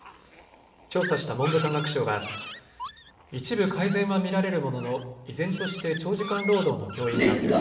調査した文部科学省は一部改善は見られるものの依然として長時間労働の教員がいる。